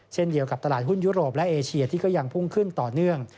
เช่นเดียวกับตลาดหุ้นยุโรปและเอเชียที่ก็ยังพุ่งขึ้นต่อเนื่อง